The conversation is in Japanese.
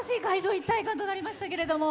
一体となりましたけど。